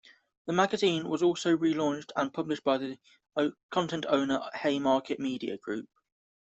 The magazine was also relaunched and published by content owner Haymarket Media Group.